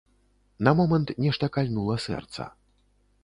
На момант нешта кальнула сэрца.